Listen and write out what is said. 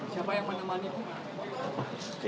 siapa yang menemani